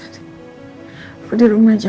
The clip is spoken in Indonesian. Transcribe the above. aku di rumah aja